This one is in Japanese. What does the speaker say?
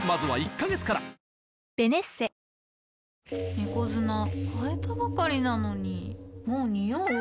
猫砂替えたばかりなのにもうニオう？